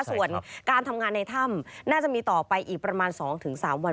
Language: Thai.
ส่วนการทำงานในถ้ำน่าจะมีต่อไปอีกประมาณ๒๓วัน